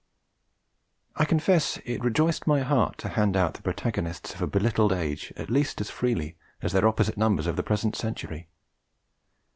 I confess it rejoiced my heart to hand out the protagonists of a belittled age at least as freely as their 'opposite numbers' of the present century.